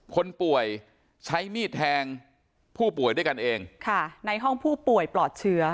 คนป่วยใช้มีดแทงผู้ป่วยด้วยกันเองค่ะในห้องผู้ป่วยปลอดเชื้อ